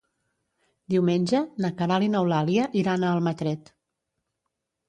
Diumenge na Queralt i n'Eulàlia iran a Almatret.